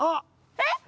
えっ！